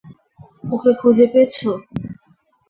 ওকে খুঁজে পেয়েছ?